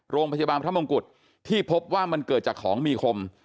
โรงพยาบาลพระมงกุฎที่พบว่ามันเกิดจากของมีคม